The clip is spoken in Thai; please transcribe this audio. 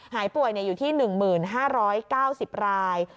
หายป่วยเนี่ยอยู่ที่๑๕๐๙๐ราย